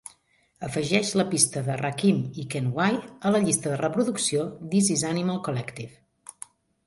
Afegeix la pista de Rakim y Ken Y a la llista de reproducció This Is Animal Collective.